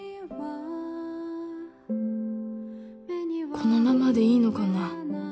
このままでいいのかな？